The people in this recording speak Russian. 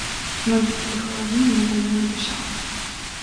Ноги были холодны, но больной дышал.